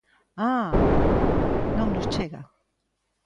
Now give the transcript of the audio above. ¡Ah!, non nos chega.